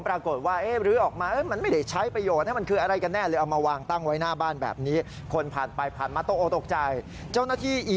ปรากฏว่าลื้อออกมาเขดมาไม่ได้ใช้ประโยชน์